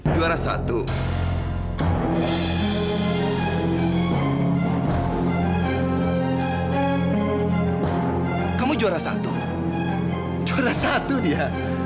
juara satu dia